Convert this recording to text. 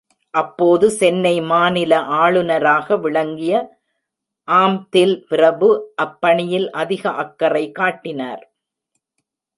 அப்போது சென்னை மாநில ஆளுநராக விளங்கிய ஆம்ப்தில் பிரபு அப் பணியில் அதிக அக்கறை காட்டினார்.